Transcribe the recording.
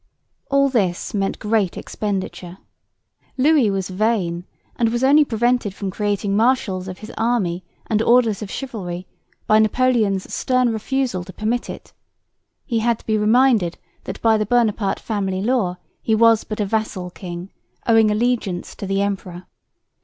All this meant great expenditure. 'Louis was vain, and was only prevented from creating marshals of his army and orders of chivalry by Napoleon's stern refusal to permit it. He had to be reminded that by the Bonaparte family law he was but a vassal king, owning allegiance to the emperor.